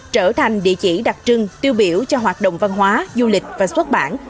trở thành địa chỉ đặc trưng tiêu biểu cho hoạt động văn hóa du lịch và xuất bản